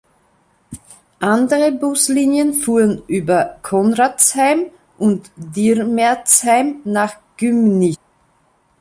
Andere Buslinien fuhren über Konradsheim und Dirmerzheim nach Gymnich.